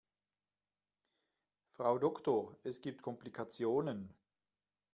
Frau Doktor, es gibt Komplikationen.